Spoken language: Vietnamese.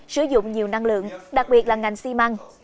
sử dụng nhiều năng lượng đặc biệt là ngành xi măng